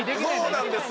そうなんです